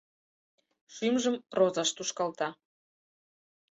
Шӱмжым розаш тушкалта...